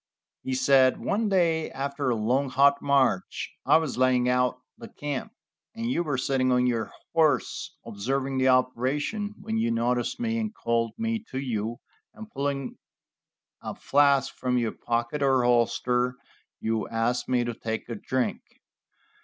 He said: "One day, after a long, hot march, I was laying out the camp, and you were sitting on your horse observing the operation, when you noticed me and called me to you, and pulling a flask from your pocket or holster, you asked me to take a drink.